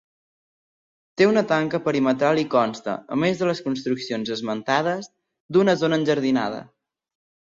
Té una tanca perimetral i consta, a més de les construccions esmentades, d'una zona enjardinada.